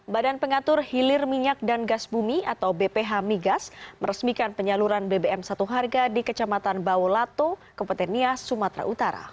badan pengatur hilir minyak dan gas bumi atau bph migas meresmikan penyaluran bbm satu harga di kecamatan bawolato kepeten nias sumatera utara